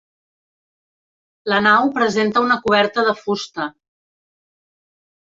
La nau presenta una coberta de fusta.